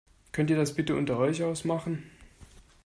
Könnt ihr das bitte unter euch ausmachen?